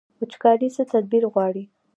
وچکالي څه تدبیر غواړي؟